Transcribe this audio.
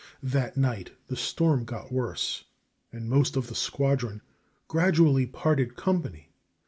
That night the storm got worse, and most of the squadron gradually parted company.